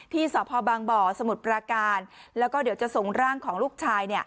ที่สพบางบ่อสมุทรปราการแล้วก็เดี๋ยวจะส่งร่างของลูกชาย